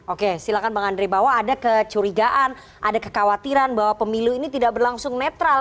oke silahkan bang andre bahwa ada kecurigaan ada kekhawatiran bahwa pemilu ini tidak berlangsung netral